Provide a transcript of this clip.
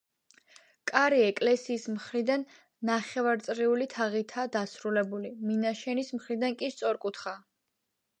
კარი ეკლესიის მხრიდან ნახევარწრიული თაღითა დასრულებული, მინაშენის მხრიდან კი სწორკუთხაა.